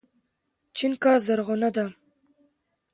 چينکه زرغونه ده